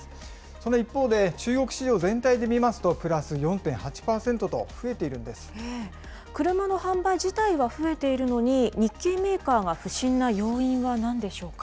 その一方で、中国市場全体で見ますと、プラス４．８％と、増えて車の販売自体は増えているのに、日系メーカーが不振な要因はなんでしょうか。